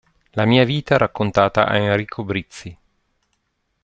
La mia vita raccontata a Enrico Brizzi".